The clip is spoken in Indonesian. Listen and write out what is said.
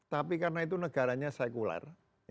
tapi karena itu negaranya sekuler